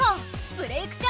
「ブレイクッ！